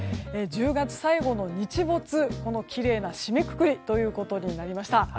１０月最後の日没きれいな締めくくりということになりました。